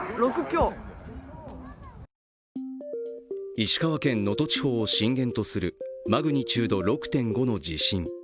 石川県能登地方を震源とするマグニチュード６．５の地震。